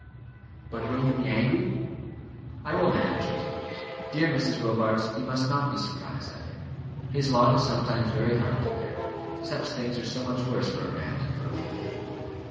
"But will he be angry?" "I will manage it. Dear Mrs. Robarts, you must not be surprised at him. His lot is sometimes very hard to bear: such things are so much worse for a man than for a woman."